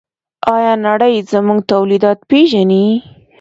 آیا نړۍ زموږ تولیدات پیژني؟